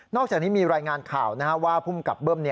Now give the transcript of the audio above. นอกจากนี้มีรายงานข่าวนะครับว่าผู้กับเบิ้ม